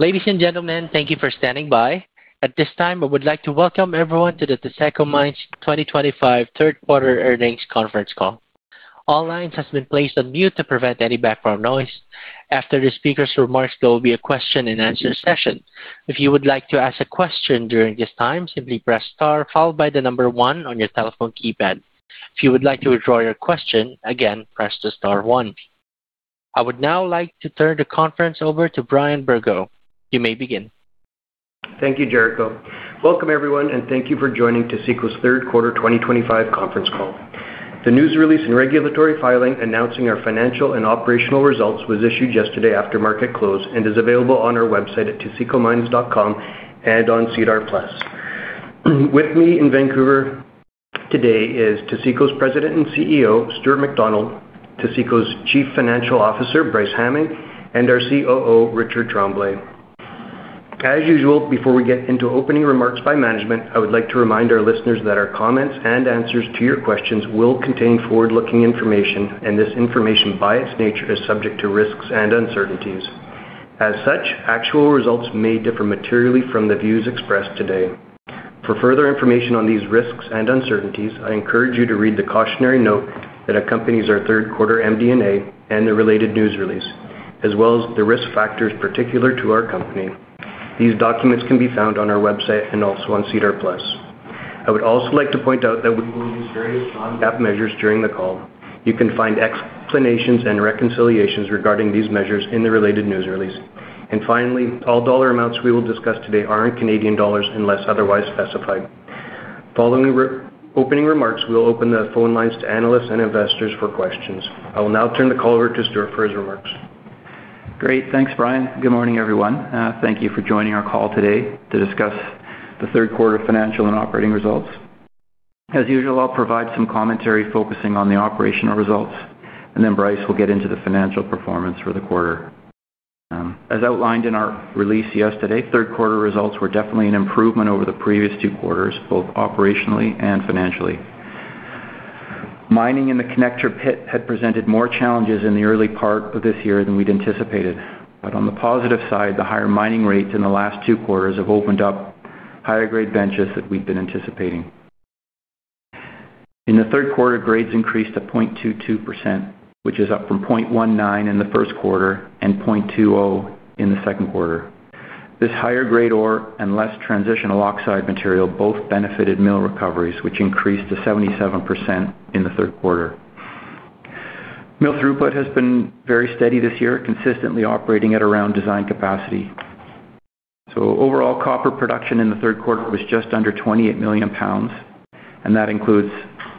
Ladies and gentlemen, thank you for standing by. At this time, I would like to welcome everyone to the Taseko Mines 2025 Third Quarter Earnings Conference Call. All lines have been placed on mute to prevent any background noise. After the speaker's remarks, there will be a question-and-answer session. If you would like to ask a question during this time, simply press star followed by the number one on your telephone keypad. If you would like to withdraw your question, again, press the star one. I would now like to turn the conference over to Brian Bergot. You may begin. Thank you, Jericho. Welcome, everyone, and thank you for joining Taseko's third quarter 2025 conference call. The news release and regulatory filing announcing our financial and operational results was issued yesterday after market close and is available on our website at tasekomines.com and on SEDAR+. With me in Vancouver today is Taseko's President and CEO, Stuart McDonald; Taseko's Chief Financial Officer, Bryce Hamming; and our COO, Richard Tremblay. As usual, before we get into opening remarks by management, I would like to remind our listeners that our comments and answers to your questions will contain forward-looking information, and this information, by its nature, is subject to risks and uncertainties. As such, actual results may differ materially from the views expressed today. For further information on these risks and uncertainties, I encourage you to read the cautionary note that accompanies our Third Quarter MD&A and the related news release, as well as the risk factors particular to our company. These documents can be found on our website and also on SEDAR+. I would also like to point out that we will use various non-GAAP measures during the call. You can find explanations and reconciliations regarding these measures in the related news release. Finally, all dollar amounts we will discuss today are in CAD unless otherwise specified. Following opening remarks, we'll open the phone lines to analysts and investors for questions. I will now turn the call over to Stuart for his remarks. Great. Thanks, Brian. Good morning, everyone. Thank you for joining our call today to discuss the third quarter financial and operating results. As usual, I'll provide some commentary focusing on the operational results, and then Bryce will get into the financial performance for the quarter. As outlined in our release yesterday, third quarter results were definitely an improvement over the previous two quarters, both operationally and financially. Mining in the Connector Pit had presented more challenges in the early part of this year than we'd anticipated, but on the positive side, the higher mining rates in the last two quarters have opened up higher grade benches that we'd been anticipating. In the third quarter, grades increased at 0.22%, which is up from 0.19% in the first quarter and 0.20% in the second quarter. This higher grade ore and less transitional oxide material both benefited mill recoveries, which increased to 77% in the third quarter. Mill throughput has been very steady this year, consistently operating at around design capacity. Overall, copper production in the third quarter was just under 28 million pounds, and that includes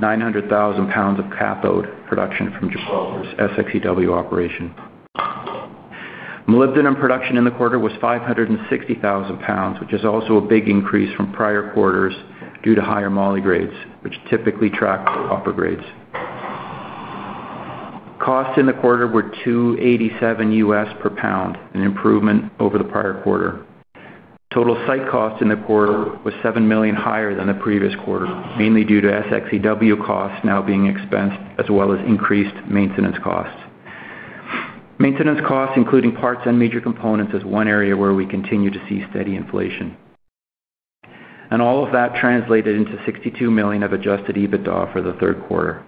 900,000 pounds of cathode production from SXEW operation. Molybdenum production in the quarter was 560,000 pounds, which is also a big increase from prior quarters due to higher moly grades, which typically track copper grades. Costs in the quarter were $2.87 per pound, an improvement over the prior quarter. Total site cost in the quarter was 7 million higher than the previous quarter, mainly due to SXEW costs now being expensed, as well as increased maintenance costs. Maintenance costs, including parts and major components, is one area where we continue to see steady inflation. All of that translated into 62 million of adjusted EBITDA for the third quarter.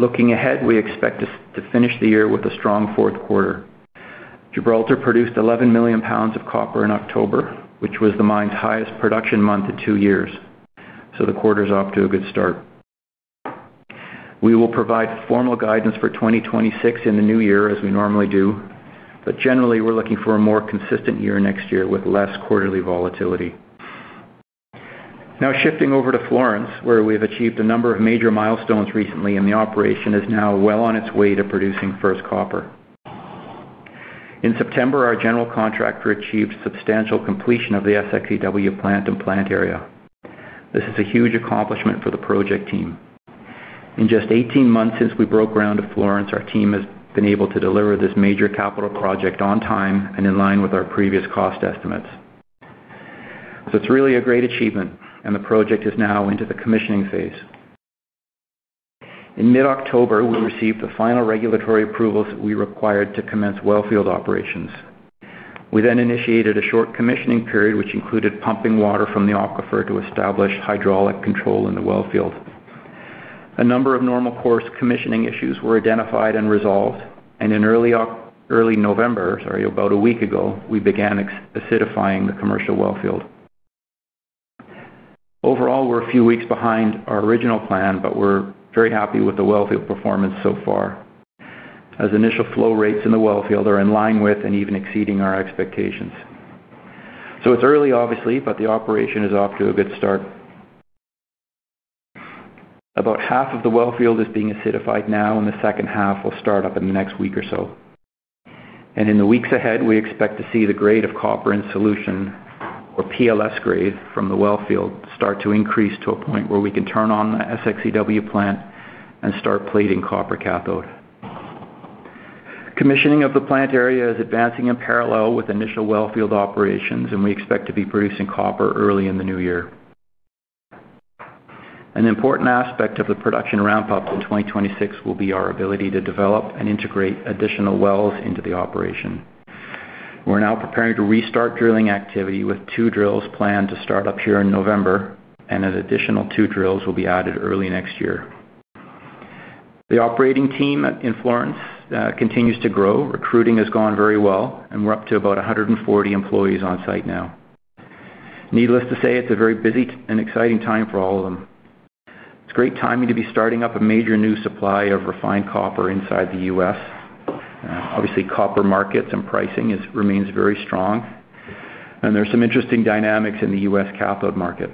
Looking ahead, we expect to finish the year with a strong fourth quarter. Gibraltar produced 11 million pounds of copper in October, which was the mine's highest production month in two years. The quarter's off to a good start. We will provide formal guidance for 2026 in the new year, as we normally do, but generally, we're looking for a more consistent year next year with less quarterly volatility. Now shifting over to Florence, where we've achieved a number of major milestones recently, and the operation is now well on its way to producing first copper. In September, our general contractor achieved substantial completion of the SXEW plant and plant area. This is a huge accomplishment for the project team. In just 18 months since we broke ground at Florence, our team has been able to deliver this major capital project on time and in line with our previous cost estimates. It is really a great achievement, and the project is now into the commissioning phase. In mid-October, we received the final regulatory approvals we required to commence wellfield operations. We then initiated a short commissioning period, which included pumping water from the aquifer to establish hydraulic control in the wellfield. A number of normal course commissioning issues were identified and resolved, and in early November, sorry, about a week ago, we began acidifying the commercial wellfield. Overall, we are a few weeks behind our original plan, but we are very happy with the wellfield performance so far, as initial flow rates in the wellfield are in line with and even exceeding our expectations. It's early, obviously, but the operation is off to a good start. About half of the wellfield is being acidified now, and the second half will start up in the next week or so. In the weeks ahead, we expect to see the grade of copper in solution, or PLS grade, from the wellfield start to increase to a point where we can turn on the SXEW plant and start plating copper cathode. Commissioning of the plant area is advancing in parallel with initial wellfield operations, and we expect to be producing copper early in the new year. An important aspect of the production ramp-up in 2026 will be our ability to develop and integrate additional wells into the operation. We're now preparing to restart drilling activity with two drills planned to start up here in November, and an additional two drills will be added early next year. The operating team in Florence continues to grow. Recruiting has gone very well, and we're up to about 140 employees on site now. Needless to say, it's a very busy and exciting time for all of them. It's great timing to be starting up a major new supply of refined copper inside the U.S. Obviously, copper markets and pricing remain very strong, and there are some interesting dynamics in the U.S. cathode market.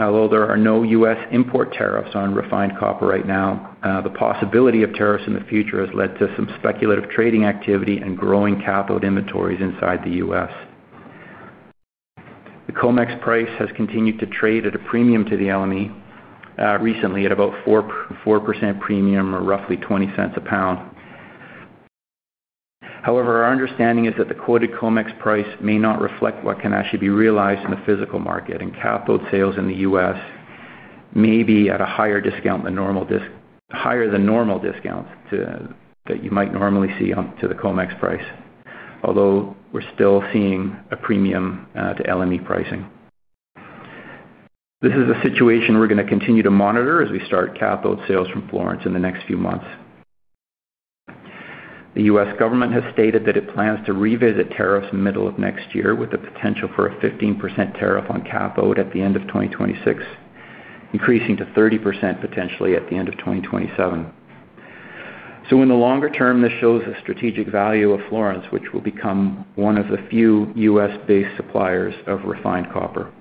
Although there are no U.S. import tariffs on refined copper right now, the possibility of tariffs in the future has led to some speculative trading activity and growing cathode inventories inside the U.S. The COMEX price has continued to trade at a premium to the LME, recently at about 4% premium or roughly $0.20 a pound. However, our understanding is that the quoted COMEX price may not reflect what can actually be realized in the physical market, and cathode sales in the U.S. may be at a higher discount than normal discounts that you might normally see to the COMEX price, although we're still seeing a premium to LME pricing. This is a situation we're going to continue to monitor as we start cathode sales from Florence in the next few months. The U.S. government has stated that it plans to revisit tariffs in the middle of next year, with the potential for a 15% tariff on cathode at the end of 2026, increasing to 30% potentially at the end of 2027. In the longer term, this shows the strategic value of Florence, which will become one of the few U.S.-based suppliers of refined copper.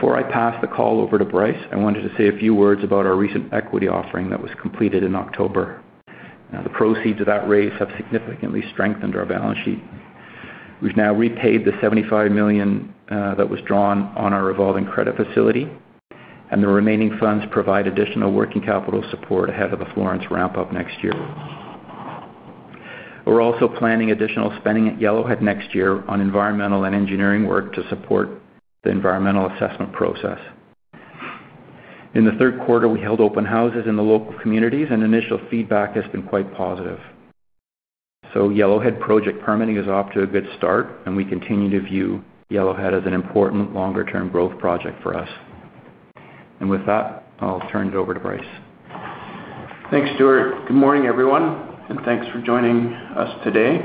Before I pass the call over to Bryce, I wanted to say a few words about our recent equity offering that was completed in October. The proceeds of that raise have significantly strengthened our balance sheet. We have now repaid the 75 million that was drawn on our revolving credit facility, and the remaining funds provide additional working capital support ahead of the Florence ramp-up next year. We are also planning additional spending at Yellowhead next year on environmental and engineering work to support the environmental assessment process. In the third quarter, we held open houses in the local communities, and initial feedback has been quite positive. Yellowhead project permitting is off to a good start, and we continue to view Yellowhead as an important longer-term growth project for us. With that, I will turn it over to Bryce. Thanks, Stuart. Good morning, everyone, and thanks for joining us today.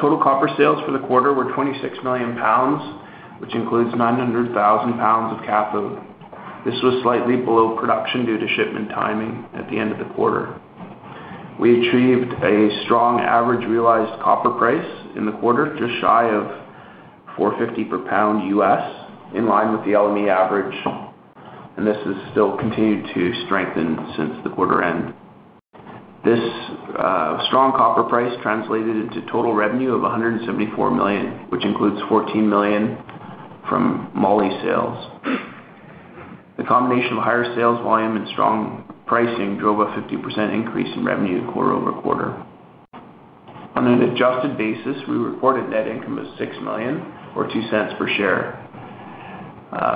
Total copper sales for the quarter were 26 million pounds, which includes 900,000 pounds of cathode. This was slightly below production due to shipment timing at the end of the quarter. We achieved a strong average realized copper price in the quarter, just shy of $4.50 per pound U.S., in line with the LME average, and this has still continued to strengthen since the quarter end. This strong copper price translated into total revenue of 174 million, which includes 14 million from moly sales. The combination of higher sales volume and strong pricing drove a 50% increase in revenue quarter over quarter. On an adjusted basis, we reported net income as 6 million, or 0.02 per share.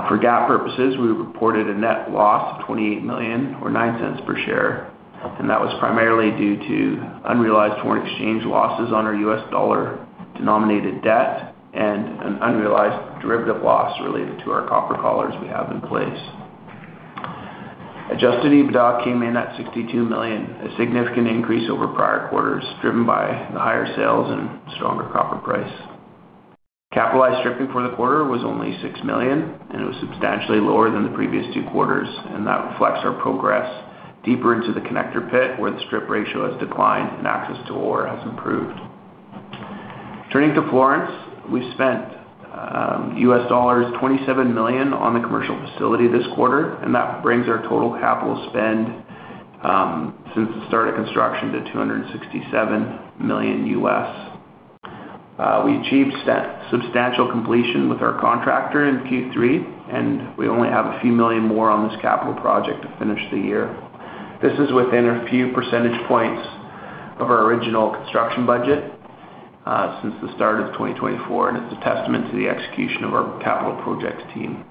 For GAAP purposes, we reported a net loss of 28 million, or 0.09 per share, and that was primarily due to unrealized foreign exchange losses on our USD-denominated debt and an unrealized derivative loss related to our copper collars we have in place. Adjusted EBITDA came in at 62 million, a significant increase over prior quarters, driven by the higher sales and stronger copper price. Capitalized stripping for the quarter was only 6 million, and it was substantially lower than the previous two quarters, and that reflects our progress deeper into the connector pit, where the strip ratio has declined and access to ore has improved. Turning to Florence, we spent $27 million on the commercial facility this quarter, and that brings our total capital spend since the start of construction to $267 million. We achieved substantial completion with our contractor in Q3, and we only have a few million more on this capital project to finish the year. This is within a few percentage points of our original construction budget since the start of 2024, and it's a testament to the execution of our capital projects team.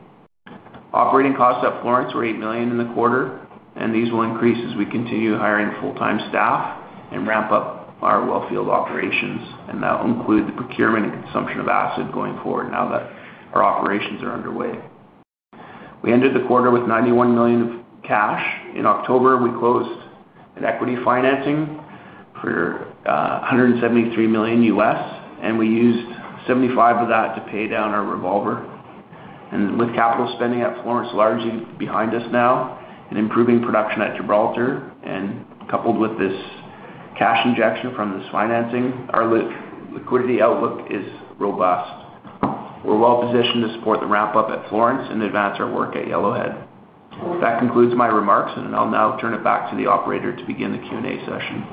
Operating costs at Florence were 8 million in the quarter, and these will increase as we continue hiring full-time staff and ramp up our wellfield operations, and that will include the procurement and consumption of acid going forward now that our operations are underway. We ended the quarter with 91 million of cash. In October, we closed an equity financing for $173 million U.S., and we used 75 million of that to pay down our revolver. With capital spending at Florence largely behind us now and improving production at Gibraltar, and coupled with this cash injection from this financing, our liquidity outlook is robust. We are well positioned to support the ramp-up at Florence and advance our work at Yellowhead. That concludes my remarks, and I will now turn it back to the operator to begin the Q&A session.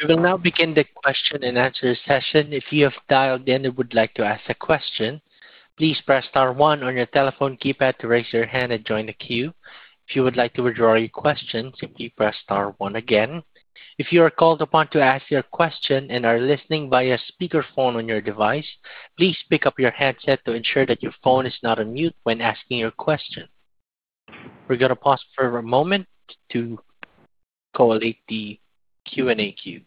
We will now begin the question and answer session. If you have dialed in and would like to ask a question, please press star one on your telephone keypad to raise your hand and join the queue. If you would like to withdraw your question, simply press star one again. If you are called upon to ask your question and are listening via speakerphone on your device, please pick up your headset to ensure that your phone is not on mute when asking your question. We're going to pause for a moment to collate the Q&A queue.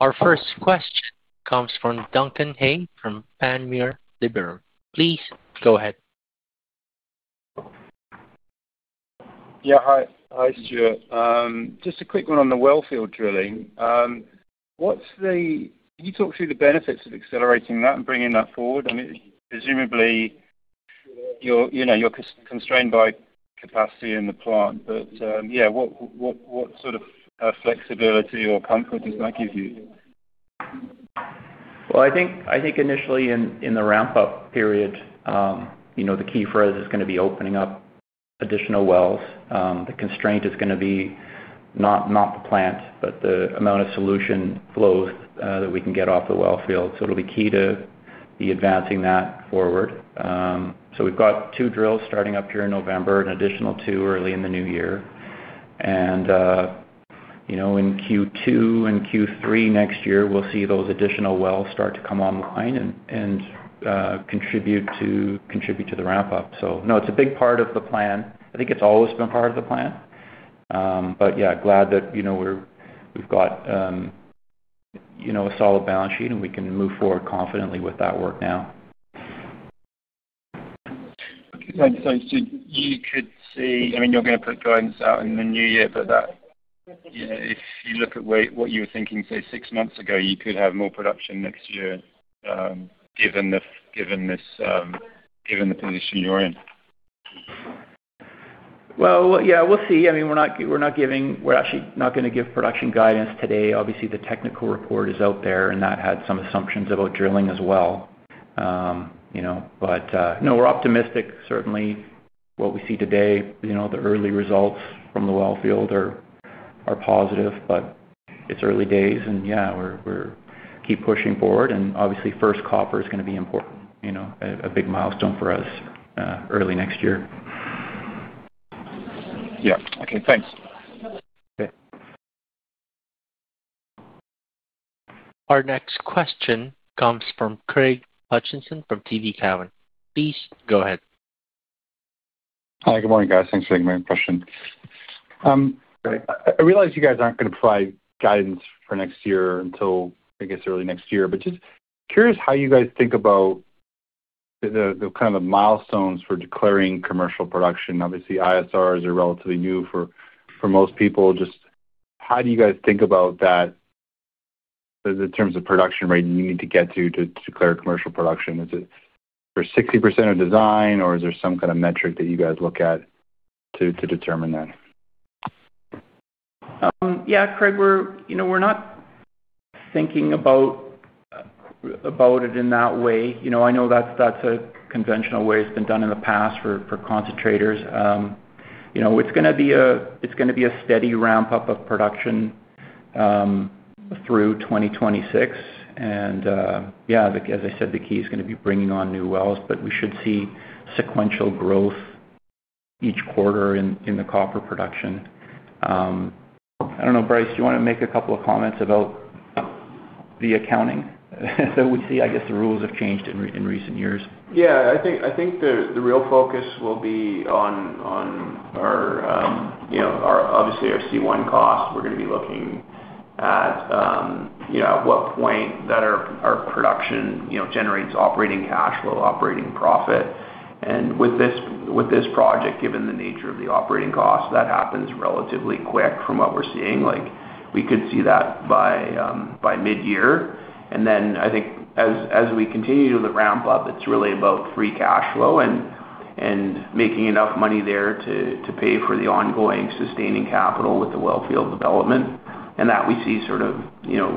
Our first question comes from Duncan Hay from Panmure Liberum. Please go ahead. Yeah, hi. Hi, Stuart. Just a quick one on the wellfield drilling. Can you talk through the benefits of accelerating that and bringing that forward? I mean, presumably, you're constrained by capacity in the plant, but yeah, what sort of flexibility or comfort does that give you? I think initially in the ramp-up period, the key for us is going to be opening up additional wells. The constraint is going to be not the plant, but the amount of solution flows that we can get off the wellfield. It will be key to be advancing that forward. We have two drills starting up here in November, an additional two early in the new year. In Q2 and Q3 next year, we will see those additional wells start to come online and contribute to the ramp-up. It is a big part of the plan. I think it has always been part of the plan. Yeah, glad that we have a solid balance sheet and we can move forward confidently with that work now. You could see, I mean, you're going to put guidance out in the new year, but if you look at what you were thinking, say, six months ago, you could have more production next year given the position you're in. Yeah, we'll see. I mean, we're not giving—we're actually not going to give production guidance today. Obviously, the technical report is out there, and that had some assumptions about drilling as well. No, we're optimistic, certainly. What we see today, the early results from the wellfield are positive, but it's early days, and yeah, we keep pushing forward. Obviously, first copper is going to be important, a big milestone for us early next year. Yeah. Okay. Thanks. Okay. Our next question comes from Craig Hutchison from TD Cowen. Please go ahead. Hi. Good morning, guys. Thanks for taking my question. I realize you guys aren't going to provide guidance for next year until, I guess, early next year, but just curious how you guys think about the kind of milestones for declaring commercial production. Obviously, ISRs are relatively new for most people. Just how do you guys think about that in terms of production rate you need to get to declare commercial production? Is it for 60% of design, or is there some kind of metric that you guys look at to determine that? Yeah, Craig, we're not thinking about it in that way. I know that's a conventional way it's been done in the past for concentrators. It's going to be a steady ramp-up of production through 2026. Yeah, as I said, the key is going to be bringing on new wells, but we should see sequential growth each quarter in the copper production. I don't know, Bryce, do you want to make a couple of comments about the accounting that we see? I guess the rules have changed in recent years. Yeah. I think the real focus will be on, obviously, our C1 costs. We're going to be looking at at what point that our production generates operating cash flow, operating profit. With this project, given the nature of the operating costs, that happens relatively quick from what we're seeing. We could see that by mid-year. I think as we continue to ramp up, it's really about free cash flow and making enough money there to pay for the ongoing sustaining capital with the wellfield development. That we see sort of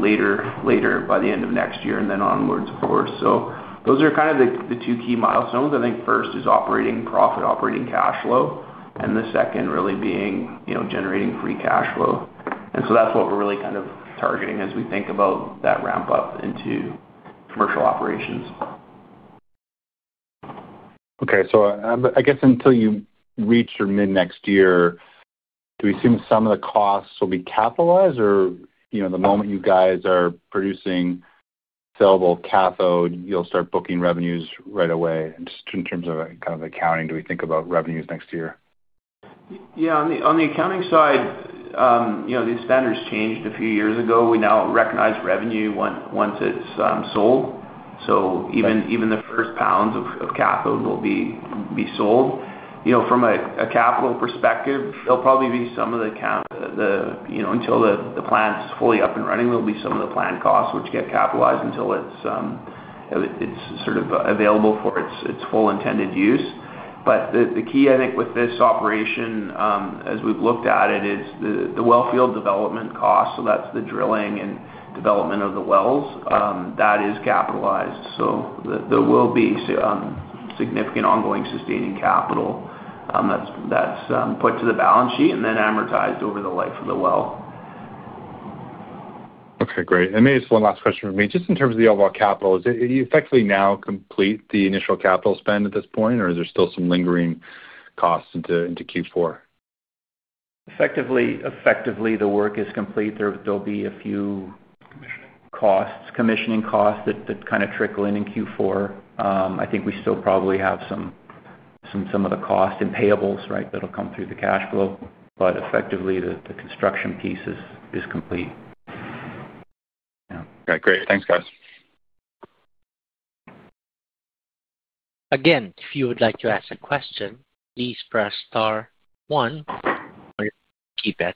later by the end of next year and then onwards, of course. Those are kind of the two key milestones. I think first is operating profit, operating cash flow, and the second really being generating free cash flow. That is what we are really kind of targeting as we think about that ramp-up into commercial operations. Okay. I guess until you reach your mid-next year, do we assume some of the costs will be capitalized, or the moment you guys are producing sellable cathode, you'll start booking revenues right away? Just in terms of kind of accounting, do we think about revenues next year? Yeah. On the accounting side, these standards changed a few years ago. We now recognize revenue once it's sold. So even the first pounds of cathode will be sold. From a capital perspective, there will probably be some of the—until the plant's fully up and running, there will be some of the plant costs which get capitalized until it's sort of available for its full intended use. The key, I think, with this operation, as we've looked at it, is the wellfield development costs. That is the drilling and development of the wells. That is capitalized. There will be significant ongoing sustaining capital that's put to the balance sheet and then amortized over the life of the well. Okay. Great. Maybe just one last question for me. Just in terms of the overall capital, is it effectively now complete, the initial capital spend at this point, or is there still some lingering costs into Q4? Effectively, the work is complete. There'll be a few commissioning costs that kind of trickle in in Q4. I think we still probably have some of the costs and payables, right, that'll come through the cash flow. But effectively, the construction piece is complete. Okay. Great. Thanks, guys. Again, if you would like to ask a question, please press star one on your keypad.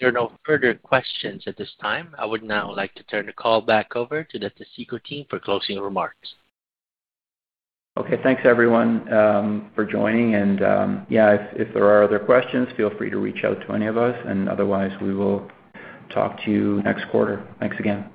There are no further questions at this time. I would now like to turn the call back over to the Taseko team for closing remarks. Okay. Thanks, everyone, for joining. Yeah, if there are other questions, feel free to reach out to any of us. Otherwise, we will talk to you next quarter. Thanks again.